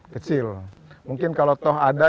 kecil mungkin kalau toh ada